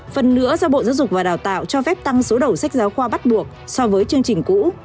phần nữa do bộ giáo dục và đào tạo cho phép tăng số đầu sách giáo khoa bắt buộc so với chương trình cũ